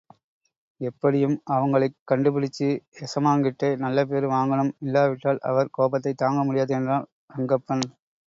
எப்படியும் அவங்களைக் கண்டுபிடிச்சு எசமாங்கிட்டே நல்ல பேரு வாங்கணும், இல்லாவிட்டால் அவர் கோபத்தைத் தாங்க முடியாது என்றான் ரங்கப்பன்.